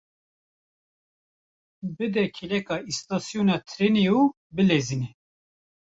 Bide kêleka îstasyona trênê û bilezîne!